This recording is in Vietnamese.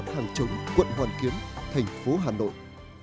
bảy mươi một hàng chống quận hoàn kiến thành phố hà nội